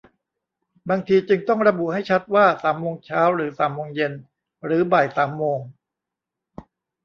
บางทีจึงต้องระบุให้ชัดว่าสามโมงเช้า หรือสามโมงเย็น หรือบ่ายสามโมง